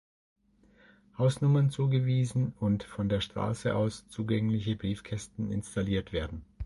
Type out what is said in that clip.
Hausnummern zugewiesen und von der Straße aus zugängliche Briefkästen installiert werden.